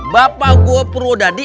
bapak gua purwodadi